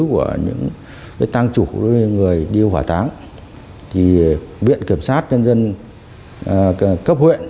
của những cái tăng chủ của những người điêu hỏa táng thì biện kiểm soát nhân dân cấp huyện